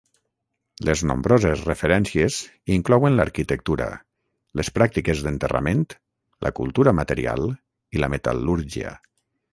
Les nombroses referències inclouen l'arquitectura, les pràctiques d'enterrament, la cultura material i la metal·lúrgia.